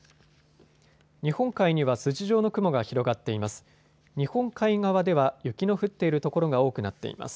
日本海には筋状の雲が広がっています。